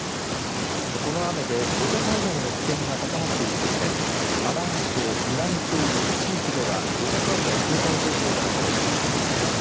この雨で土砂災害の危険が高まっているとして阿南市と美波町由岐地域では土砂災害警戒情報が出されています。